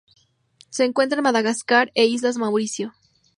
Se encuentra en Madagascar e isla Mauricio.